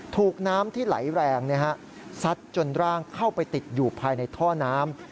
ถูกน้ำที่ไหลแรงซัดจนร่างเข้าไปติดอยู่ภายในท่อน้ำ